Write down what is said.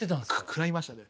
食らいましたね。